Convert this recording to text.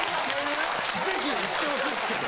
ぜひいってほしいですけど。